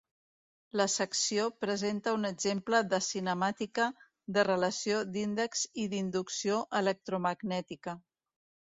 La secció presenta un exemple de cinemàtica de relació d'índexs i d'inducció electromagnètica.